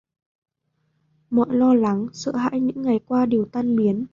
Mọi lo lắng sợ hãi những ngày qua đều tan biến